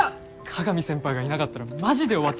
鏡先輩がいなかったらマジで終わってました。